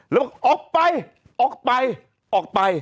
แล้วบอกออกไปออกไปออกไป